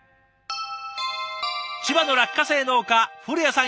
千葉の落花生農家古谷さん